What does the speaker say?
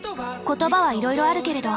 言葉はいろいろあるけれど。